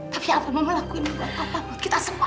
tapi apa yang mama lakuin buat papa buat kita semua